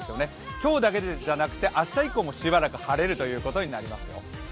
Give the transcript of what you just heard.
今日だけじゃなくて明日以降も晴れるということになります。